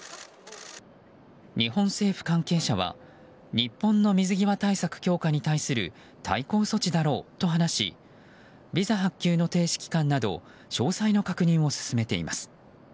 日本政府関係者は日本の水際対策強化に対する対抗措置だろうと話しビザ発給の停止期間など詳細の確認を進めています。